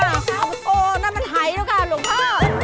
ลูกพ่อกับกิ๊กค่อยด้วยค่ะ